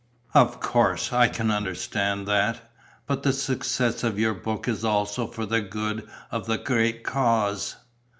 "Of course, I can understand that. But the success of your book is also for the good of the great cause."